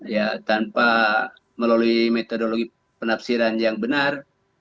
ya tanpa melalui metodologi penafsiran yang benar